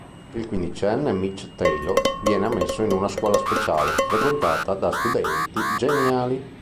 Il quindicenne Mitch Taylor viene ammesso in una scuola speciale, frequentata da studenti geniali.